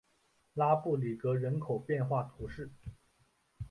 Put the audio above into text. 拉布里格人口变化图示